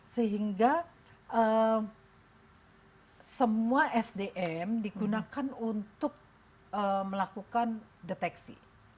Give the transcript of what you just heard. sehingga semua sdm digunakan untuk melakukan deteksi